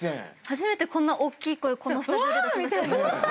初めてこんなおっきい声このスタジオで出しました。